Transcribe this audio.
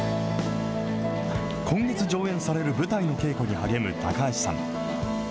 今月上演される舞台の稽古に励む高橋さん。